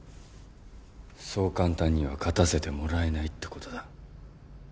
そう簡単には勝たせてもらえないってことだ。